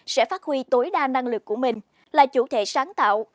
sẽ phát huy tối đa năng lực của mình là chủ thể sáng tạo